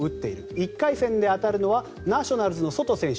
１回戦で当たるのはナショナルズのソト選手。